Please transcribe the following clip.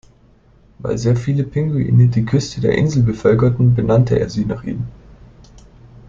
Weil sehr viele Pinguine die Küste der Insel bevölkerten, benannte er sie nach ihnen.